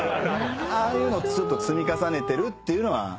ああいうのを積み重ねてるっていうのはあります。